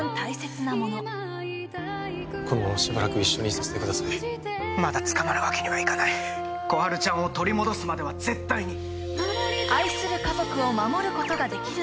このまましばらく一緒にいさせてくださいまだ捕まるわけにはいかない心春ちゃんを取り戻すまでは絶対に！